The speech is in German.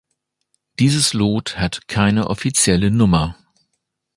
Dieses Lot hat keine offizielle Nummer.